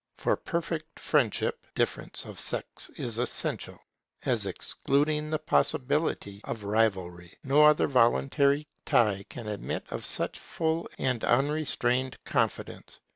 For perfect friendship, difference of sex is essential, as excluding the possibility of rivalry. No other voluntary tie can admit of such full and unrestrained confidence.